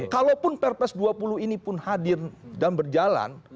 kalaupun perpres dua puluh ini pun hadir dan berjalan